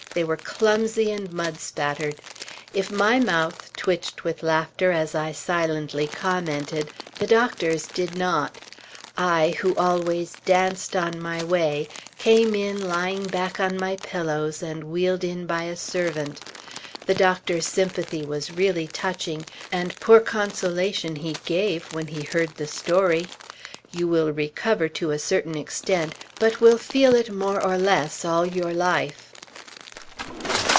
they were clumsy, and mud spattered! If my mouth twitched with laughter as I silently commented, the Doctor's did not! I, who always danced on my way, came in lying back on my pillows, and wheeled in by a servant. The Doctor's sympathy was really touching, and poor consolation he gave when he heard the story. "You will recover, to a certain extent; but will feel it more or less all your life."